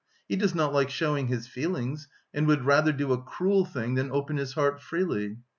He does not like showing his feelings and would rather do a cruel thing than open his heart freely.